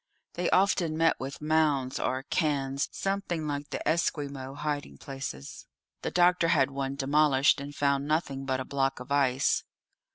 They often met with mounds or cairns something like the Esquimaux hiding places. The doctor had one demolished, and found nothing but a block of ice.